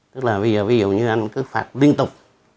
tức là bây giờ ví dụ như anh cứ phạt liên tục